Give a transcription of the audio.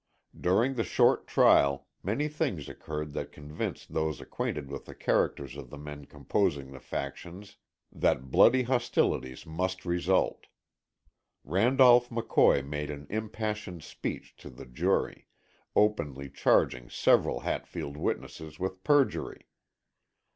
During the short trial many things occurred that convinced those acquainted with the characters of the men composing the factions, that bloody hostilities must result. Randolph McCoy made an impassioned speech to the jury, openly charging several Hatfield witnesses with perjury.